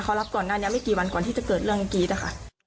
เขารับก่อนหน้านี้ไม่กี่วันก่อนที่จะเกิดเรื่องกรี๊ดนะคะ